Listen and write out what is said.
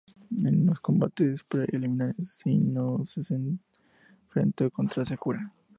En los combates preliminares, Ino se enfrentó contra Sakura.